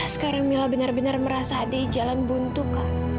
sekarang mila benar benar merasa ada jalan buntu kak